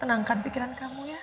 tenangkan pikiran kamu ya